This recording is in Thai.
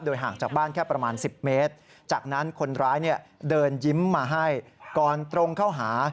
ห่างจากบ้านแค่ประมาณ๑๐เมตรจากนั้นคนร้ายเดินยิ้มมาให้ก่อนตรงเข้าหา